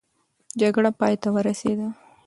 جګړه پای ته ورسېده.